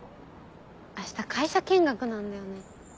明日会社見学なんだよね。